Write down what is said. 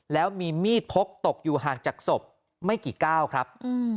แล้วมีมีดพกตกอยู่ห่างจากศพไม่กี่ก้าวครับ